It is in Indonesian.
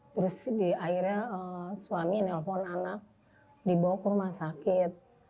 terus akhirnya suami nelpon anak dibawa ke rumah sakit